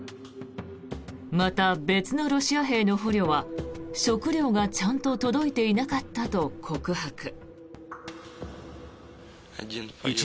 また、別のロシア兵の捕虜は食料がちゃんと届いていなかったと告白。